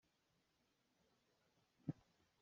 Hramhram in ka thil a ka chuh.